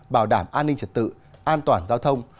bảo đảm an ninh trật tự an toàn giao thông